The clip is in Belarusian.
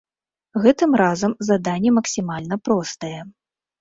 Гэтым разам заданне максімальна простае.